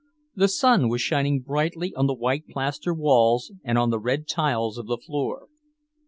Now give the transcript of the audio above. The sun was shining brightly on the white plaster walls and on the red tiles of the floor.